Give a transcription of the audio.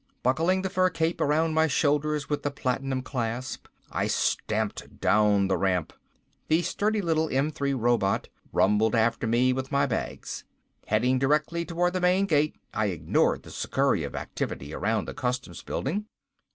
Buckling the fur cape around my shoulders with the platinum clasp, I stamped down the ramp. The sturdy little M 3 robot rumbled after me with my bags. Heading directly towards the main gate, I ignored the scurry of activity around the customs building.